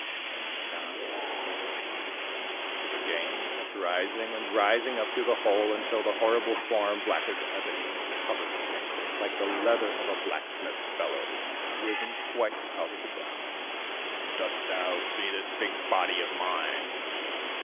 Then he went on with his tailoring. The Buggane kept rising and rising up through the hole until the horrible form, black as ebony, and covered with wrinkles like the leather of a blacksmith's bellows, had risen quite out of the ground. 'Dost thou see this big body of mine?'